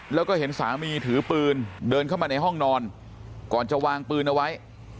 แล้วก็เห็นสามีถือปืนเดินเข้ามาในห้องนอนก่อนจะวางปืนเอาไว้